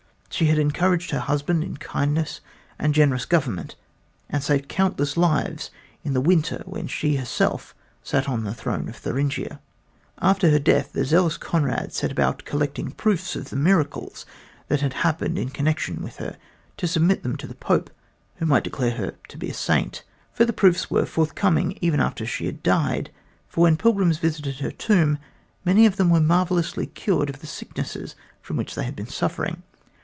She had encouraged her husband in kindness and generous government, and she saved countless lives in the winter when she herself sat on the throne of Thuringia. After her death the zealous Conrad set about collecting proofs of the miracles that had happened in connection with her, to submit them to the Pope, who might declare her to be a Saint. Further proofs were forthcoming even after she had died, for when pilgrims visited her tomb many of them were marvelously cured of the sicknesses from which they had been suffering.